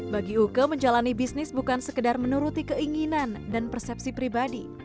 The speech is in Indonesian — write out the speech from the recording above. bagi uke menjalani bisnis bukan sekedar menuruti keinginan dan persepsi pribadi